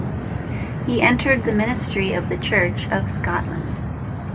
He entered the Ministry of the Church of Scotland.